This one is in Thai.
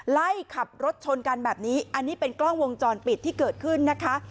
ไล่ขับรถชนกันแบบนี้อันนี้เป็นกล้องวงจรปิดที่เกิดขึ้นนะคะ